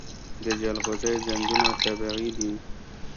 د جلغوزیو ځنګلونه طبیعي دي؟